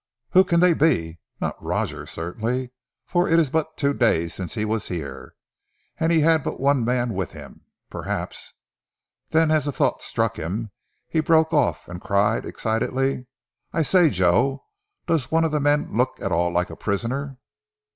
"Who can they be? Not Roger, certainly, for it is but two days since he was here, and he had but one man with him. Perhaps " Then as a thought struck him he broke off and cried excitedly, "I say, Joe, does one of the men look at all like a prisoner?"